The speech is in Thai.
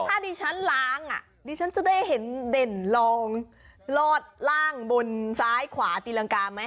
ถ้าดิฉันล้างอ่ะดิฉันจะได้เห็นเด่นลองลอดล่างบนซ้ายขวาตีรังกาไหม